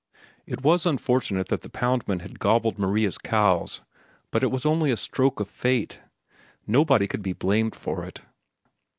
It was unfortunate that the poundman had gobbled Maria's cows. But it was only a stroke of fate. Nobody could be blamed for it.